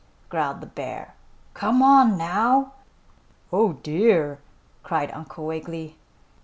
growled the bear. "Come on, now!" "Oh, dear!" cried Uncle Wiggily.